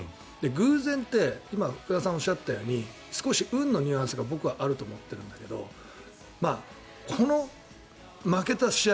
偶然って、今福田さんがおっしゃったように少し運のニュアンスが僕はあると思っているんだけどこの負けた試合